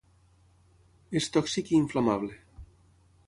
És tòxic i inflamable.